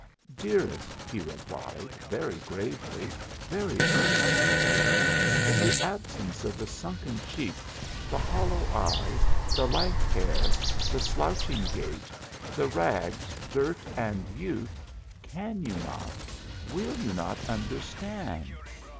"Dearest," he replied, very gravely, very earnestly, "in the absence of the sunken cheeks, the hollow eyes, the lank hair, the slouching gait, the rags, dirt, and youth, can you not will you not understand?